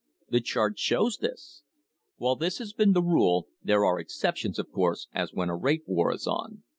The chart shows this. While this has been the rule, there are ex ceptions, of course, as when a rate war is on.